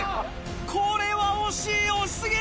・これは惜しい！惜し過ぎる！